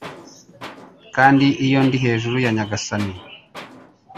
kandi iyo ndi hejuru ya Nyagasani